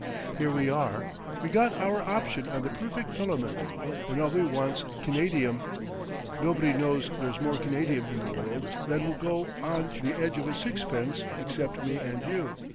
Here we are, we got our option on the perfect filament, and all we want's canadium. Nobody knows there's more canadium in the world than will go on the edge of a sixpence except me and you.